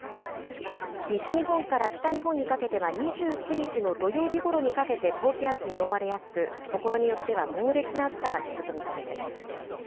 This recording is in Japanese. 西日本から北日本にかけては２９日の土曜日ごろにかけて高気圧に覆われやすく、所によっては猛烈な暑さが続く見込みです。